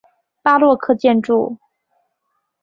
巴洛克建筑。